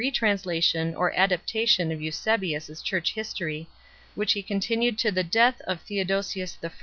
Mani cJicean, translation or adaptation of Eusebius s Church History, which he continued to the death of Theodosius I.